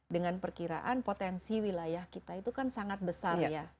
dengan perkiraan potensi wilayah kita itu kan sangat besar ya